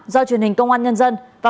do truyền hình công an nhân dân và